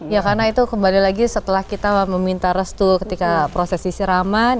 ya karena itu kembali lagi setelah kita meminta restu ketika prosesi siraman